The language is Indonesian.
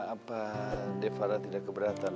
apa de farah tidak keberatan